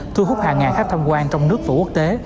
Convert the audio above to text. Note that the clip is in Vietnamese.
thu hút hàng ngàn khách tham quan trong nước và quốc tế